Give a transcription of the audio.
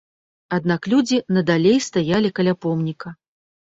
Аднак людзі надалей стаялі каля помніка.